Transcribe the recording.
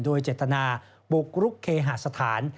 โดยเจตนาบุกรุกเคหาสถาน